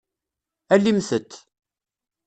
Alimt-t.